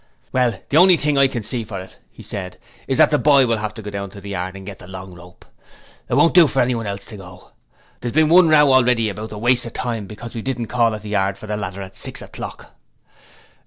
'Well, the only thing as I can see for it,' he said, 'is that the boy will 'ave to go down to the yard and get the long rope. It won't do for anyone else to go: there's been one row already about the waste of time because we didn't call at the yard for the ladder at six o'clock.'